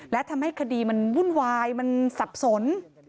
และทำให้คดีมันวุ่นวายมันสับสน